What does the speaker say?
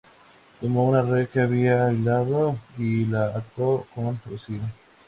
Tomó una red que había hilado, y la ató con rocío.